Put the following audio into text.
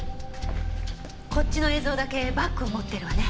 こっちの映像だけバッグを持ってるわね。